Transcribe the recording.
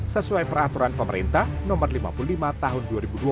sesuai peraturan pemerintah nomor lima puluh lima tahun dua ribu dua belas